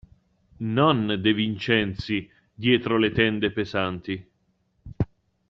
Non De Vincenzi dietro le tende pesanti.